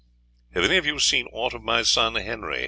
"] "Have any of you seen aught of my son Henry?"